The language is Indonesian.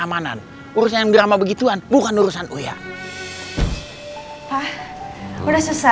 hai panino kenapa ya kayaknya sedih begitu nggak bisa main sama nonrena